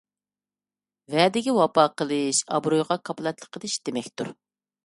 ۋەدىگە ۋاپا قىلىش — ئابرۇيغا كاپالەتلىك قىلىش دېمەكتۇر.